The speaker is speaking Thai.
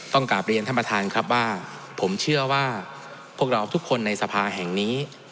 กลับเรียนท่านประธานครับว่าผมเชื่อว่าพวกเราทุกคนในสภาแห่งนี้